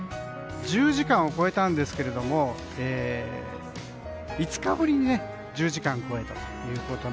１０時間を超えたんですけど５日ぶりに１０時間を超えました。